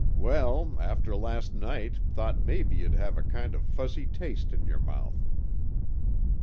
"Well, after last night, thought maybe you'd have a kind of fuzzy taste in your mouth."